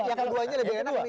yang keduanya lebih enak